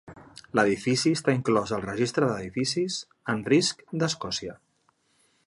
L'edifici està inclòs al registre d'edificis en risc d'Escòcia.